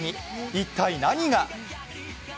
一体何が？